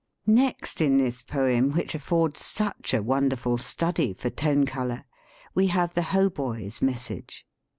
Next in this poem which affords such a wonderful study for tone color, we have the hautboy's message.